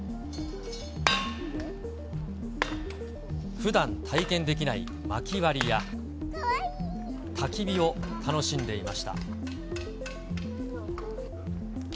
ふだん、体験できないまき割りや、たき火を楽しんでいました。